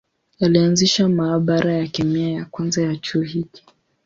Alianzisha maabara ya kemia ya kwanza ya chuo hiki.